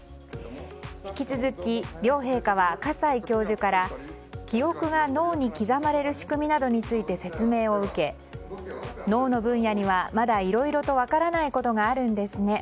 引き続き、両陛下は河西教授から記憶が脳に刻まれる仕組みなどについて説明を受け、脳の分野にはまだいろいろと分からないことがあるんですね。